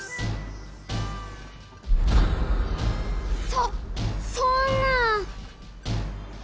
そっそんな！